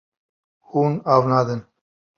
Hûn av nadin.